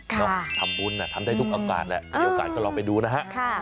ทำบุญทำได้ทุกอากาศแหละมีโอกาสก็ลองไปดูนะฮะ